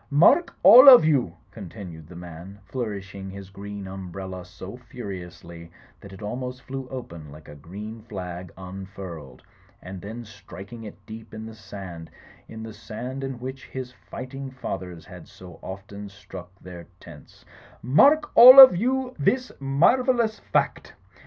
"Mark, all of you," continued the man flourishing his green umbrella so furiously that it almost flew open like a green flag unfurled, and then striking it deep in the sand, in the sand in which his fighting fathers had so often struck their tents, "mark all of you this marvellous fact!